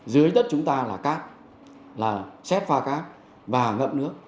dưới đất chúng ta là cát là xét pha cát và ngậm nước